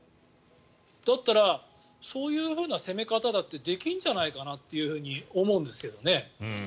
だったら、そういう攻め方だってできるんじゃないかなと思うんですけどね。